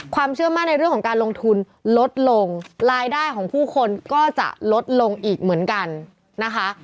ความเชื่อมั่นในเรื่องของการลงทุนลดลงรายได้ของผู้คนก็จะลดลงอีกเหมือนกันนะคะ